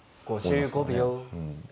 ５５秒。